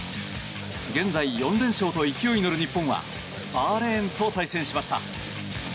現在、４連勝と勢いに乗る日本はバーレーンと対戦しました。